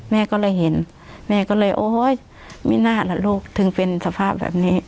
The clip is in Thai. แม่ก็เลยเห็นแม่ก็เลยโอ๊ยไม่น่าล่ะลูกถึงเป็นสภาพแบบนี้